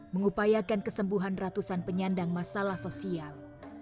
mengupayakan kesembuhan ratusan penyandang masalah sosial